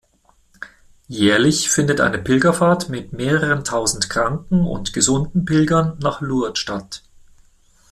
Jährlich findet eine Pilgerfahrt mit mehreren tausend kranken und gesunden Pilgern nach Lourdes statt.